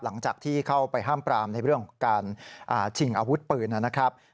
หลังจากที่เข้าไปห้ามปรามในเรื่องของการชิงอาวุธปืนนะครับ